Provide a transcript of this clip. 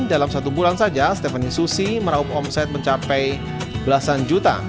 dalam satu bulan saja stephanie susi meraup omset mencapai belasan juta